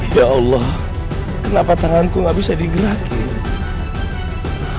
ya allah kenapa tanganku tidak bisa digerakkan